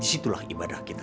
disitulah ibadah kita